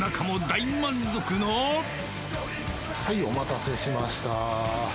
はい、お待たせしました。